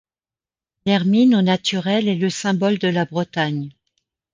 L'hermine au naturel est le symbole de la Bretagne.